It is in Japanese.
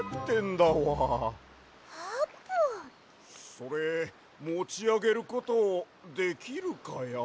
それもちあげることできるかや？